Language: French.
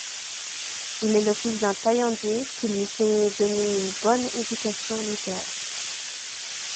Il est le fils d'un taillandier qui lui fait donner une bonne éducation littéraire.